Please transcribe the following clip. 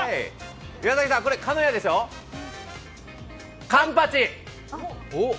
岩崎さん、これ、鹿屋でしょ、カンパチ！